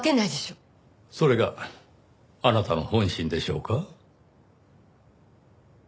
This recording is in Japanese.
それがあなたの本心でしょうか？